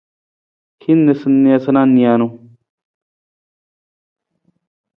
Hin noosanoosa nijanu.